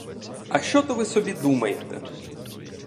А що то ви собі думаєте?